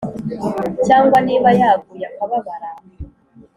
cyangwa niba yaguye akababara